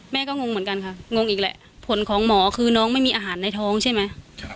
แม่ก็งงเหมือนกันค่ะงงอีกแหละผลของหมอคือน้องไม่มีอาหารในท้องใช่ไหม